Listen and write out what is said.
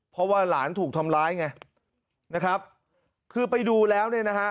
เพราะว่าหลานถูกทำร้ายไงนะครับคือไปดูแล้วเนี่ยนะฮะ